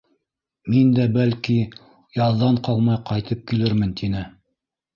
Мин дә, бәлки, яҙҙан ҡалмай ҡайтып килермен, — тине.